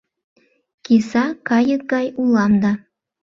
Киса кайык гай улам да